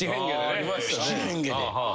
「七変化」でね。